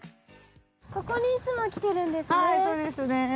ここにいつも来てるんですね。